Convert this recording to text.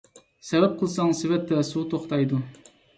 سەۋەب قىلساڭ سېۋەتتە سۇ توختايدۇ.